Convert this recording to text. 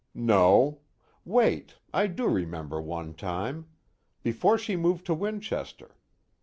"No. Wait I do remember one time. Before she moved to Winchester.